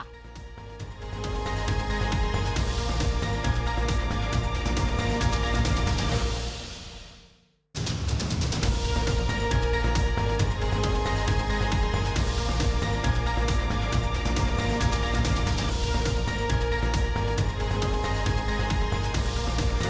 โปรดติดตามตอนต่อไป